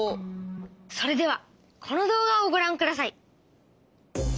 それではこの動画をごらんください。